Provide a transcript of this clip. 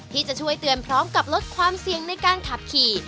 ที่จะช่วยเตือนพร้อมกับลดความเสี่ยงในการขับขี่